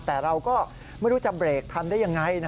แต่เราก็ไม่รู้จะเบรกทันได้ยังไงนะ